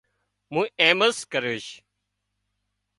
مُون ايمز ڪريوش